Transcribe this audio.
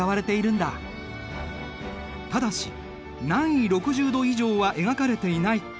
ただし南緯６０度以上は描かれていない。